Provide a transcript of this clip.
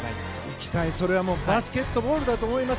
期待、それはバスケットボールだと思います。